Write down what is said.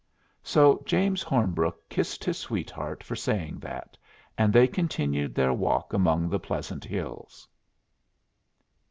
So James Hornbrook kissed his sweetheart for saying that, and they continued their walk among the pleasant hills.